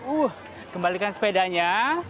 uh kembalikan sepedanya